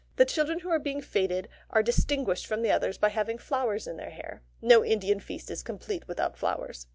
The children who are being fêted are distinguished from the others by having flowers in their hair. No Indian feast is complete without flowers.